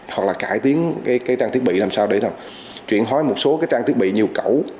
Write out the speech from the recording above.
hoặc là cải tiến trang thiết bị làm sao để chuyển hóa một số trang thiết bị nhiều cẩu